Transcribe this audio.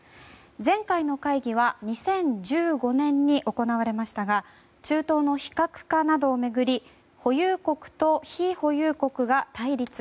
前回の会議は２０１５年に行われましたが中東の非核化などを巡り保有国と非保有国が対立。